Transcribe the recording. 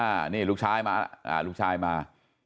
อ่านี่ลูกชายมาแล้วลูกชายมา